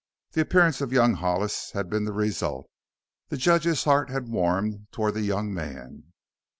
The appearance of young Hollis had been the result. The judge's heart had warmed toward the young man.